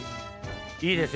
いいですよ